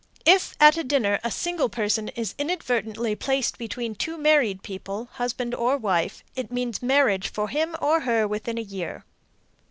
If, at a dinner, a single person is inadvertently placed between two married people (husband or wife), it means marriage for him or her within a year.